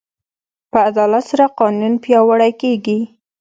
په عدالت سره قانون پیاوړی کېږي.